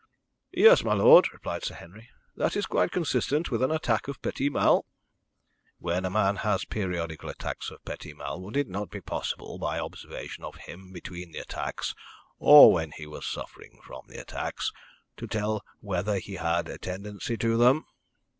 "Yes, my lord," replied Sir Henry. "That is quite consistent with an attack of petit mal." "When a man has periodical attacks of petit mal, would it not be possible, by observation of him between the attacks, or when he was suffering from the attacks, to tell whether he had a tendency to them?"